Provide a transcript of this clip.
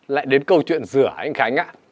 lại đến câu chuyện rửa anh khánh ạ